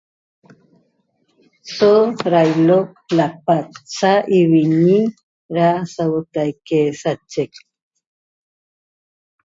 So ra'ailo'oc lapat saiviñi ra sauotaique sachec